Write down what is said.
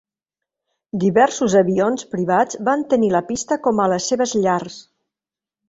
Diversos avions privats van tenir la pista com a les seves llars.